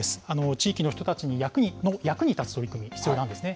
地域の人たちの役に立つ取り組み、必要なんですね。